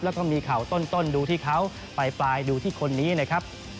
แล้วก็มีเข่าต้นดูที่เขาปลายดูที่คนนี้นะครับ